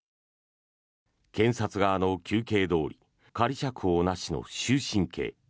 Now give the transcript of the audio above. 検察側の求刑どおり仮釈放なしの終身刑。